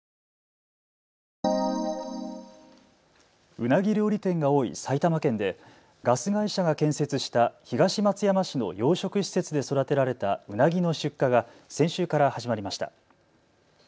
うなぎ料理店が多い埼玉県でガス会社が建設した東松山市の養殖施設で育てられたうなぎの出荷が先週から始まりました。